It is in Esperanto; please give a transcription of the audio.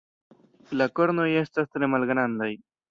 La kornoj estas tre malgrandaj.